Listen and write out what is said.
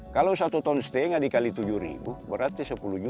kalau satu ton setengah dikali tujuh ribu berarti sepuluh juta